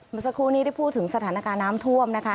มาสักครู่นี้พูดถึงสถานการณ์น้ำถ้วมนะคะ